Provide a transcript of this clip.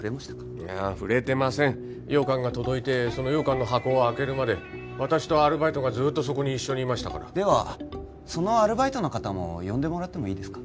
いやあ触れてません羊羹が届いてその羊羹の箱を開けるまで私とアルバイトがずーっとそこに一緒にいましたからではそのアルバイトの方も呼んでもらってもいいですか？